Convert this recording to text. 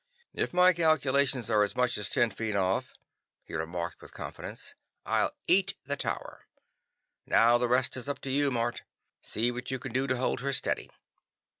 "If my calculations are as much as ten feet off," he remarked with confidence, "I'll eat the tower. Now the rest is up to you, Mort. See what you can do to hold her steady.